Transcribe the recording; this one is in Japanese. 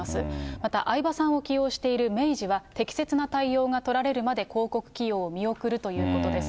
また相葉さんを起用している明治は適切な対応が取られるまで、広告起用を見送るということです。